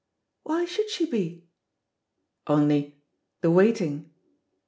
'Why should she be?" ^Only the waiting.